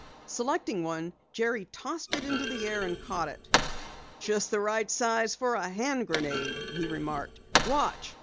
Selecting one, Jerry tossed it into the air and caught it. "Just the right size for a hand grenade," he remarked. "Watch!"